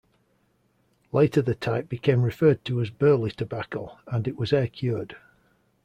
Later the type became referred to as burley tobacco, and it was air-cured.